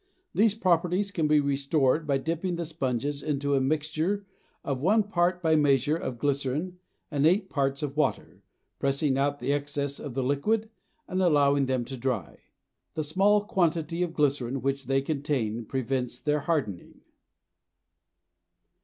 These properties can be restored by dipping the sponges into a mixture of one part by measure of glycerin and eight parts of water, pressing out the excess of the liquid and allowing them to dry. The small quantity of glycerin which they contain prevents their hardening.